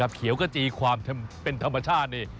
กลี้เขียวกระจี่ความเป็นธรรมชาติ